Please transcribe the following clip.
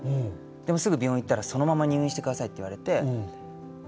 すぐに病院に行ったら、そのまま入院してくださいって言われて。